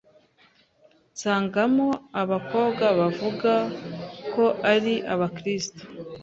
nsangamo abakobwa bavuga ko ari Abakristo